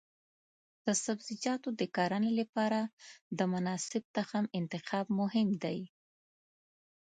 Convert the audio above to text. د سبزیجاتو د کرنې لپاره د مناسب تخم انتخاب مهم دی.